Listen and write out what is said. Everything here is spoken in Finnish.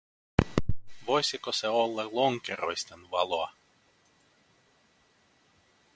Voisiko se olla lonkeroisten valoa?